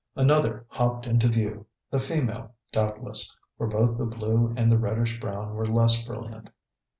Another hopped into view; the female, doubtless, for both the blue and the reddish brown were less brilliant.